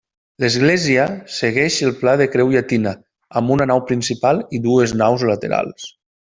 L'església segueix el pla de creu llatina, amb una nau principal i dues naus laterals.